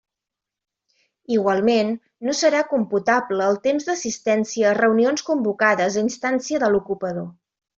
Igualment, no serà computable el temps d'assistència a reunions convocades a instància de l'ocupador.